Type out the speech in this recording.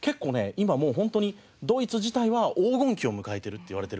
今もうホントにドイツ自体は黄金期を迎えてるっていわれてるぐらい。